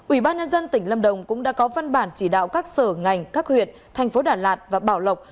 ủy ban nhân dân tỉnh lâm đồng cũng đã có văn bản chỉ đạo các sở ngành các huyện thành phố đà lạt và bảo lộc